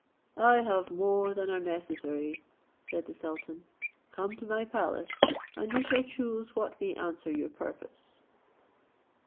"I have more than are necessary," said the sultan; "come to my palace, and you shall choose what may answer your purpose."